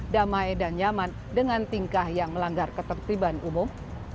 damai dan nyaman dengan tingkah yang melanggar ketertiban umum